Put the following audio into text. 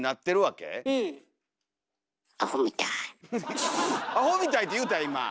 「アホみたい」って言うた今！